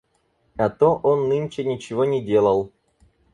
А то он нынче ничего не делал.